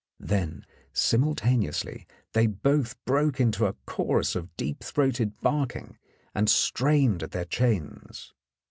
Then simultaneously they both broke into chorus of deep throated barking and strained at their chains.